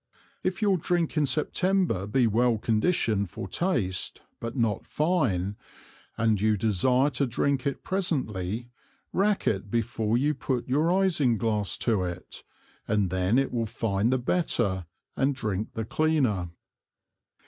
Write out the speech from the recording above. If your Drink in September be well condition'd for taste, but not fine, and you desire to drink it presently, rack it before you put your Ising glass to it, and then it will fine the better and drink the cleaner.